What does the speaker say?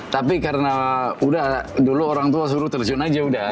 tapi karena udah dulu orang tua suruh terjun aja udah